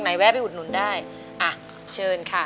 ะโทษได้อ่ะเชิญค่ะ